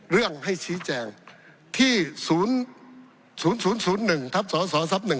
เรื่องให้ชี้แจงที่๐๐๑ทับสสทับ๑